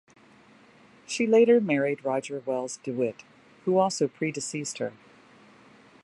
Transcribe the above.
She later married Roger Wells DeWitt, who also predeceased her.